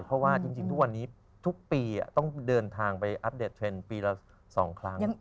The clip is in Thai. เพราะว่าจริงทุกวันนี้ทุกปีต้องเดินทางไปอัปเดตเทรนด์ปีละ๒ครั้ง